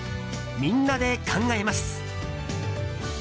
みんなで考えます。